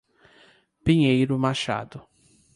Pinheiro Machado